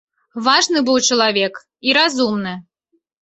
Важны быў чалавек і разумны.